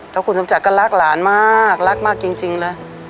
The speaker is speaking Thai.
แล้วคุณสมศักดิ์ก็รักหลานมากรักมากจริงเลย